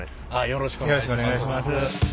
よろしくお願いします。